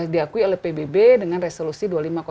diakui oleh pbb dengan resolusi